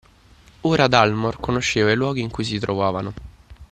Ora Dalmor conosceva i luoghi in cui si trovavano